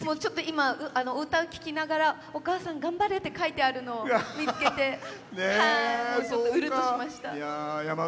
お歌を聴きながら「お母さん頑張れ！」って書いてあるの見つけて、ちょっとうるっとしました。